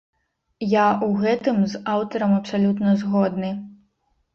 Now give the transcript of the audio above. Я ў гэтым з аўтарам абсалютна згодны.